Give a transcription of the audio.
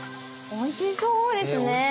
おいしそうですね。